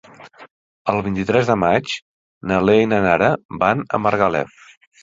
El vint-i-tres de maig na Lea i na Nara van a Margalef.